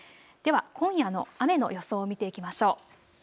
では今夜の雨の予想を見ていきましょう。